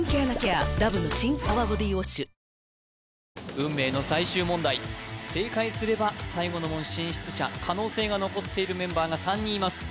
運命の最終問題正解すれば最後の門進出者可能性が残っているメンバーが３人います